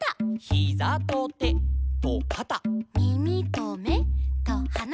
「ヒザとてとかた」「みみとめとはな」